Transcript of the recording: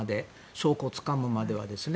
証拠をつかむまでですね。